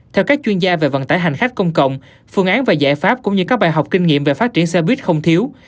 theo các chuyên gia về vận tải hành khách công cộng phương án và giải pháp cũng như các bài học kinh nghiệm về phát triển xe buýt không thiếu